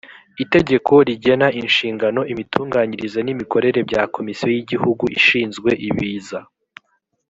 itegeko rigena inshingano imitunganyirize n’imikorere bya komisiyo y’igihugu ishinzwe ibiza